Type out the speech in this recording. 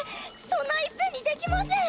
そんないっぺんにできません！